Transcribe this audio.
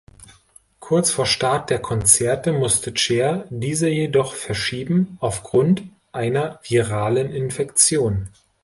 Kurz vor Start der Konzerte musste Cher diese jedoch verschieben, aufgrund einer viralen Infektion.